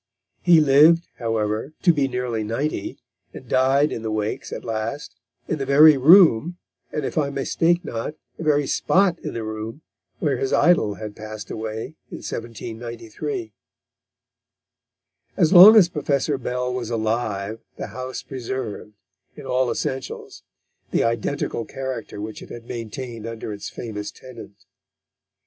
He lived, however, to be nearly ninety, and died in the Wakes at last, in the very room, and if I mistake not, the very spot in the room, where his idol had passed away in 1793. As long as Professor Bell was alive the house preserved, in all essentials, the identical character which it had maintained under its famous tenant.